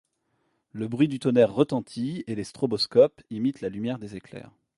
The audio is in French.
Le bruit du tonnerre retentit et les stroboscopes imitent la lumière des éclairs.